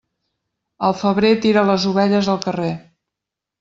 El febrer tira les ovelles al carrer.